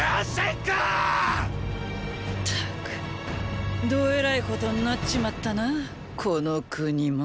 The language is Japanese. ったくどえらいことになっちまったなァこの国も。